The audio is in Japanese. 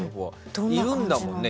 いるんだもんね